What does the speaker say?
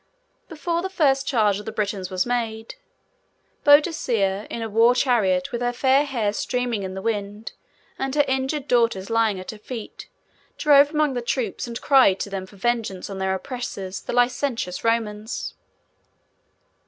Before the first charge of the Britons was made, Boadicea, in a war chariot, with her fair hair streaming in the wind, and her injured daughters lying at her feet, drove among the troops, and cried to them for vengeance on their oppressors, the licentious Romans.